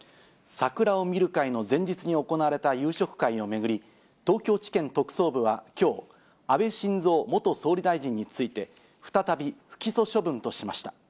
桜を見る会の前日に行われた夕食会を巡り、東京地検特捜部はきょう、安倍晋三元総理大臣について、再び不起訴処分としました。